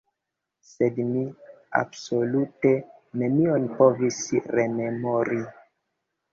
Sed mi absolute nenion povis rememori.